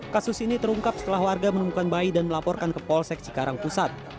kasus ini terungkap setelah warga menemukan bayi dan melaporkan ke polsek cikarang pusat